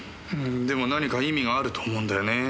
でも何か意味があると思うんだよね。